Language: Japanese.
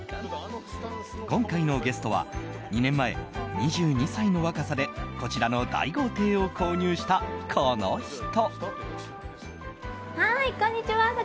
今回のゲストは２年前、２２歳の若さでこちらの大豪邸を購入したこの人。